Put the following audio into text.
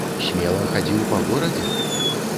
Смела хадзіў па горадзе?